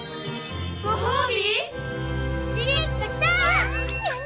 ご褒美！？